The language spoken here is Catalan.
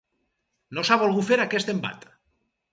No s’ha volgut fer aquest embat.